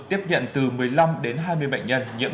tiếp nhận từ một mươi năm đến hai mươi bệnh nhân nhiễm